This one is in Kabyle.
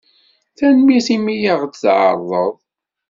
Tanemmirt imi ay aɣ-d-tɛerḍeḍ.